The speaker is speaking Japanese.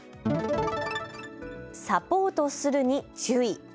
サポートするに注意。